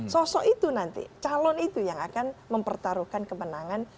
sosok itu nanti calon itu yang akan mempertaruhkan kemenangan